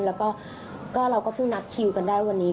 แล้วก็เราก็เพิ่งนัดคิวกันได้วันนี้